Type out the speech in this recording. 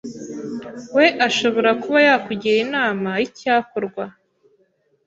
we ashobora kuba yakugira inama y’icyakorwa